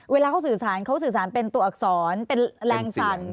เวลาเขาสื่อสารเขาสื่อสารเป็นตัวอักษรเป็นแรงสั่น